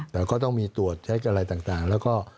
แต่ก็ต้องมีตรวจเช็คอะไรต่างแล้วก็